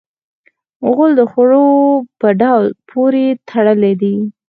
غول د خوړو په ډول پورې تړلی دی.